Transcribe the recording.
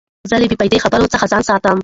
زه له بې فایدې خبرو څخه ځان ساتم.